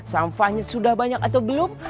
sampahnya sudah banyak atau belum